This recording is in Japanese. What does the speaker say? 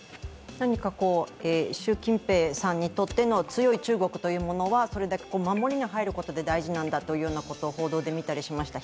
何か習近平さんにとっての強い中国というものは、それだけ守りに入ることで大事なんだということを報道で見たりしました。